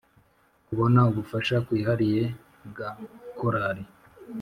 kubona ubufasha bwihariye bwa korali